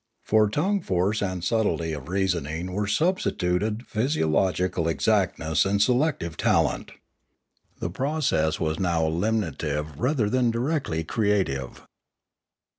For tongue force and subtlety of reasoning were substituted physiological exactness and selective talent. The process was now elimi native rather than directly creative.